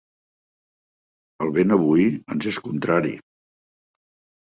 El vent avui ens és contrari.